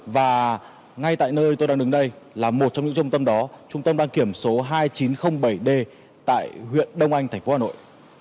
và ngay tại nơi tôi đang đứng đây là một trong những trung tâm đó trung tâm đăng kiểm số hai nghìn chín trăm linh bảy d tại huyện đông anh tp hà nội